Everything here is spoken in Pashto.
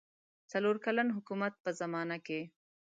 څلور کلن حکومت په زمانه کې.